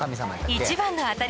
一番の当たり？